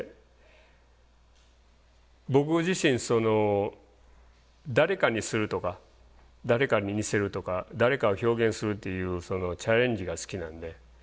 僕自身誰かにするとか誰かに似せるとか誰かを表現するっていうそのチャレンジが好きなんで。